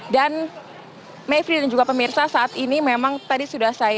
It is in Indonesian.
dan mayfri dan juga pemirsa saat ini memang tadi sudah saya gilir